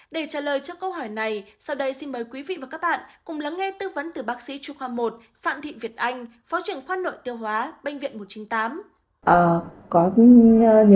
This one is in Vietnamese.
để trả lời cho câu hỏi này sau đây xin mời quý vị và các bạn cùng lắng nghe tư vấn từ bác sĩ trung khoa một phạm thị việt anh phó trưởng khoa nội tiêu hóa bệnh viện một trăm chín mươi tám